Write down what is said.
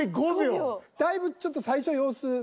だいぶちょっと最初様子。